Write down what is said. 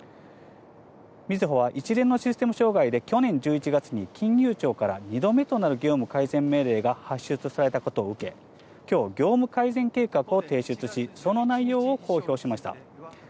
みずほは一連のシステム障害で、去年１１月に金融庁から２度目となる業務改善命令が発出されたことを受け、きょう、業務改善計画を提出し、その内容を公表しました。